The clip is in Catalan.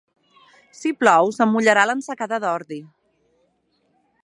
Si plou, se'm mullarà l'ensacada d'ordi.